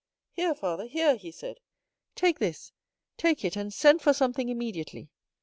Here, father, here!" he said, "take this—take it, and send for something immediately."